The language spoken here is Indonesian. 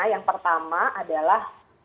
yang pertama adalah